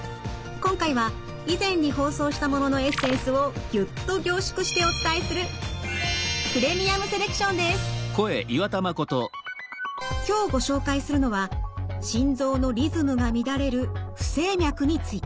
今回は以前に放送したもののエッセンスをギュッと凝縮してお伝えする今日ご紹介するのは心臓のリズムが乱れる不整脈について。